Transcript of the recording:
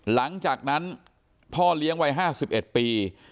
หลังจากนั้นพ่อเลี้ยงวัย๕๑ปี